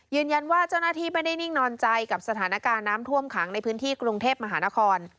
เจ้าหน้าที่ไม่ได้นิ่งนอนใจกับสถานการณ์น้ำท่วมขังในพื้นที่กรุงเทพมหานคร